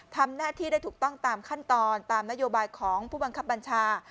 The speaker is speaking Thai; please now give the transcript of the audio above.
ทำหน้าที่ได้ถูกต้องตามขั้นตอนตามนโยบายของผู้บังคับบัญชา